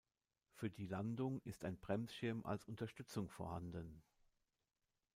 Für die Landung ist ein Bremsschirm als Unterstützung vorhanden.